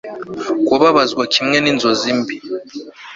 Kubabazwa kimwe ninzozi mbi